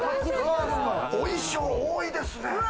お衣装多いですね。